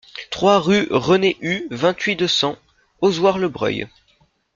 trois rue René Hue, vingt-huit, deux cents, Ozoir-le-Breuil